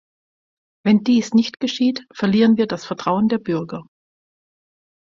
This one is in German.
Wenn dies nicht geschieht, verlieren wir das Vertrauen der Bürger.